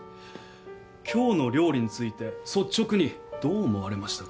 今日の料理について率直にどう思われましたか？